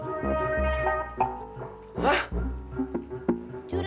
kan aku merasa seperti seni there is no shade to solit